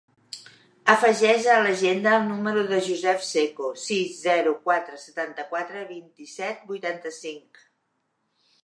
Afegeix a l'agenda el número del Yousef Seco: sis, zero, quatre, setanta-quatre, vint-i-set, vuitanta-cinc.